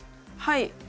はい。